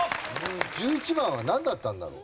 １１番はなんだったんだろう？